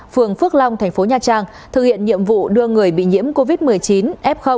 phường phước long thành phố nha trang thực hiện nhiệm vụ đưa người bị nhiễm covid một mươi chín f